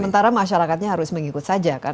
sementara masyarakatnya harus mengikut saja kan